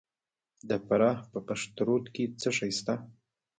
د فراه په پشترود کې څه شی شته؟